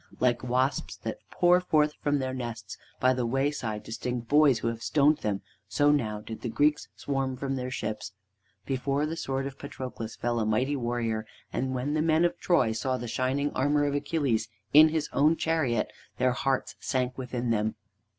Like wasps that pour forth from their nests by the wayside to sting the boys who have stoned them, so now did the Greeks swarm from their ships. Before the sword of Patroclus fell a mighty warrior, and when the men of Troy saw the shining armor of Achilles in his own chariot their hearts sank within them.